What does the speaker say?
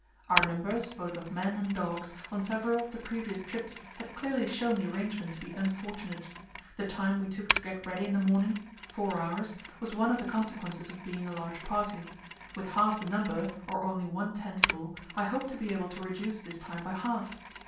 Our numbers, both of men and dogs, on several of the previous trips had clearly shown the arrangement to be unfortunate. The time we took to get ready in the morning four hours was one of the consequences of being a large party. With half the number, or only one tent full, I hoped to be able to reduce this time by half.